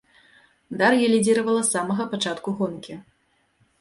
Дар'я лідзіравала с самага пачатку гонкі.